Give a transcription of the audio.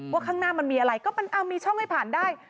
ข้างหน้ามันมีอะไรก็มีช่องให้ผ่านได้